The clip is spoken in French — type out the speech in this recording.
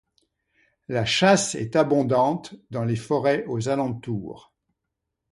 La chasse est abondante dans les forêts aux alentours.